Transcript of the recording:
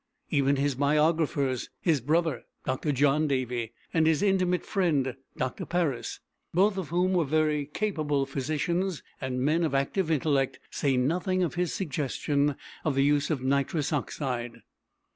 Even his biographers, his brother, Dr. John Davy, and his intimate friend, Dr. Paris, both of whom were very capable physicians and men of active intellect, say nothing of his suggestion of the use of nitrous oxide.